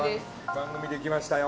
番組で来ましたよ。